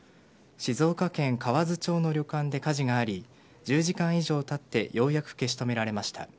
静岡県河津町の旅館で火事があり１０時間以上たってようやく消し止められました。